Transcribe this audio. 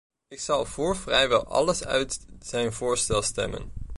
Ik zal voor vrijwel alles uit zijn voorstel stemmen.